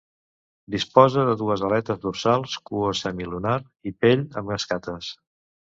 Disposa de dues aletes dorsals cua semilunar i pell amb escates.